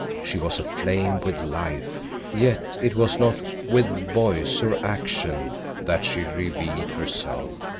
She was aflame with life, yet it was not with voice or action that she revealed herself.